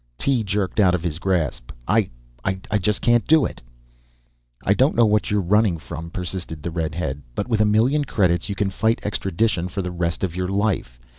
Tee jerked out of his grasp. "I ... I just can't do it." "I don't know what you're running from," persisted the redhead, "but with a million credits you can fight extradition for the rest of your life.